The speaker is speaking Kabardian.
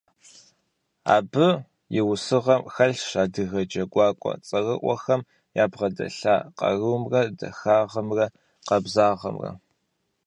Абы и усыгъэм хэлъщ адыгэ джэгуакӀуэ цӀэрыӀуэхэм ябгъэдэлъа къарумрэ, дахагъымрэ, къабзагъэмрэ.